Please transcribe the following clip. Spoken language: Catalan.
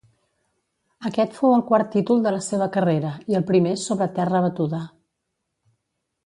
Aquest fou el quart títol de la seva carrera i el primer sobre terra batuda.